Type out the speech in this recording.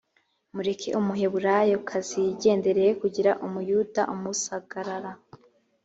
mureke umuheburayokazi yigendere hekugira umuyuda umusagarara.